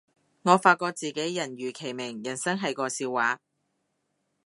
我發覺自己人如其名，人生係個笑話